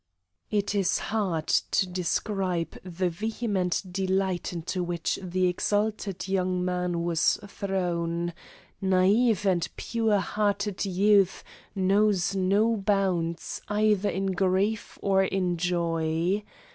It is hard to describe the vehement delight into which the exalted young man was thrown; naive and pure hearted youth knows no bounds either in grief or in joy.